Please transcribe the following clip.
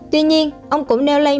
tuy nhiên ông cũng nêu lây